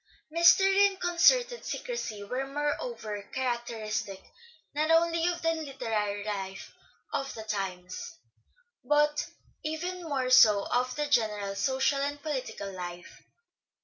Mystery and concerted secrecy were moreover characteristic not only of the literary life of the times, but even more so of the general social and political life.